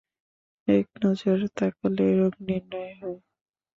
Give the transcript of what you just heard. একনজর তাকালে রোগ নির্ণয় হয়।